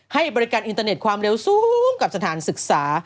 ให้บริการอินเตอร์เน็ตความเร็วสูงกับสถานศึกษา